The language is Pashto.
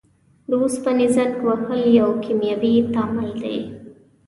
د اوسپنې زنګ وهل یو کیمیاوي تعامل دی.